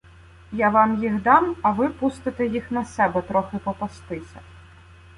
Я вам їх дам, а ви пустите їх на себе трохи попастися.